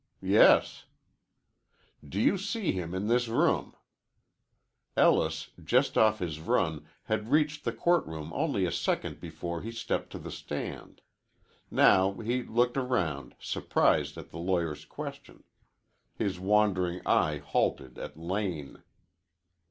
"' "Yes." "Do you see him in this room?" Ellis, just off his run, had reached the court room only a second before he stepped to the stand. Now he looked around, surprised at the lawyer's question. His wandering eye halted at Lane.